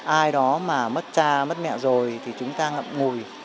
ai đó mà mất cha mất mẹ rồi thì chúng ta ngậm ngùi